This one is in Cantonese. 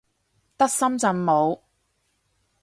得深圳冇